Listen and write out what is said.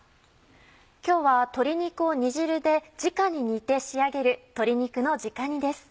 今日は鶏肉を煮汁で直に煮て仕上げる「鶏肉の直煮」です。